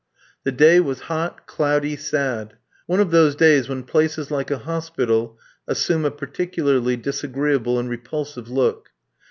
The day was hot, cloudy, sad one of those days when places like a hospital assume a particularly disagreeable and repulsive look.